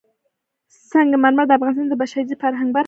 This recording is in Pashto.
سنگ مرمر د افغانستان د بشري فرهنګ برخه ده.